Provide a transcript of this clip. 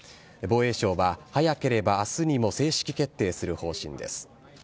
防衛省は早ければあすにも正式決定する方針です。